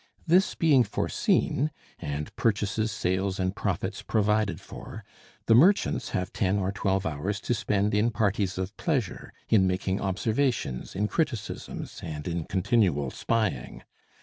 This being foreseen, and purchases, sales, and profits provided for, the merchants have ten or twelve hours to spend in parties of pleasure, in making observations, in criticisms, and in continual spying.